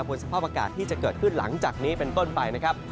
สภาพอากาศที่จะเกิดขึ้นหลังจากนี้เป็นต้นไปนะครับ